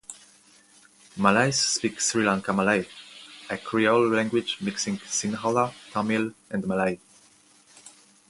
Malays speak Sri Lanka Malay, a Creole language mixing Sinhala, Tamil and Malay.